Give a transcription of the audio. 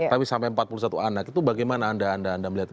tapi sampai empat puluh satu anak itu bagaimana anda melihatnya